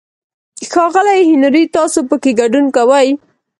ښاغلی هنري، تاسو پکې ګډون کوئ؟